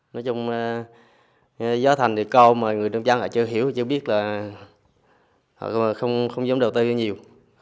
nói chung gió thành thì co mà người nông dân họ chưa hiểu chưa biết là họ không dám đầu tư nhiều